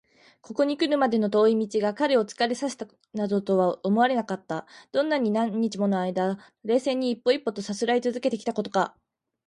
ここにくるまでの遠い道が彼を疲れさせたなどとは思われなかった。どんなに何日ものあいだ、冷静に一歩一歩とさすらいつづけてきたことか！